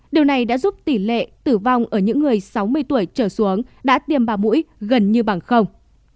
điều này đã giúp tỷ lệ tử vong ở những người sáu mươi tuổi trở xuống đã tiêm ba mũi gần như bằng không